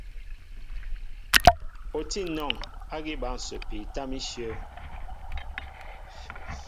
O tí anɔŋ ágí bǎl ǹsəpi tâm íshyə̂.